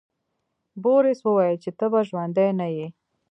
بوریس وویل چې ته به ژوندی نه یې.